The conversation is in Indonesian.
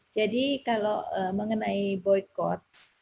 jadi kalau mengenai boykot